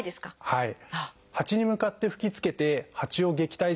はい。